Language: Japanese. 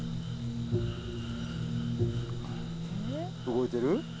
動いてる？